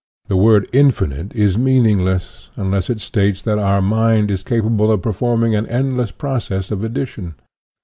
The word infinite is meaningless, unless it states that our mind is capable of performing an endless process of addition.